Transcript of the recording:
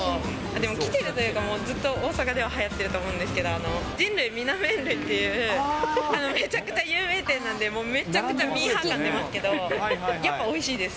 でも、きてるというか、もうずっと大阪でははやってると思うんですけど、人類皆麺類っていう、めちゃくちゃ有名店なんで、もうめちゃくちゃミーハー感が出ますけど、おいしいです。